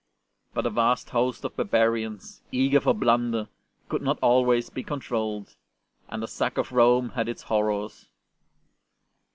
But a vast host of barbarians, eager for plunder, could not always be controlled, and the sack of Rome had its horrors.